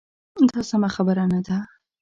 دا سمه خبره نه ده.